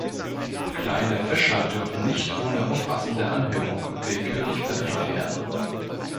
Kleine Fischer dürfen nicht ohne umfassende Anhörung willkürlich verdrängt werden.